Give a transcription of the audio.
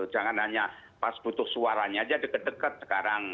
jangan hanya pas butuh suaranya aja deket deket sekarang